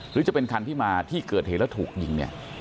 หรือจะเป็นคันที่มาที่เกิดเหตุแล้วถูกยิงเนี่ย